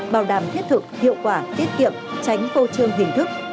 bảo đảm thiết thực hiệu quả tiết kiệm tránh phô trương hình thức